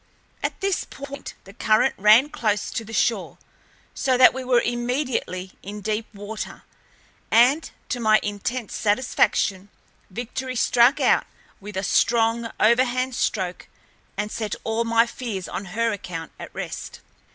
At this point the current ran close to the shore, so that we were immediately in deep water, and, to my intense satisfaction, Victory struck out with a strong, overhand stroke and set all my fears on her account at rest.